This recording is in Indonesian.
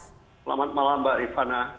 selamat malam mbak rifana